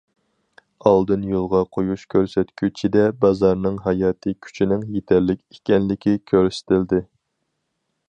ئالدىن يولغا قويۇش كۆرسەتكۈچىدە بازارنىڭ« ھاياتىي كۈچىنىڭ يېتەرلىك» ئىكەنلىكى كۆرسىتىلدى.